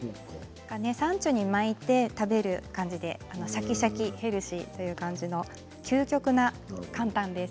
サンチュに巻いて食べる感じでシャキシャキ＆ヘルシーにもなって究極に簡単です。